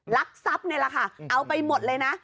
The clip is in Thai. ลักทรัพย์นี่แหละค่ะเอาไปหมดเลยนะ